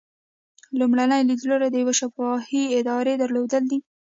لومړی لیدلوری د یوې شفافې ادارې درلودل دي.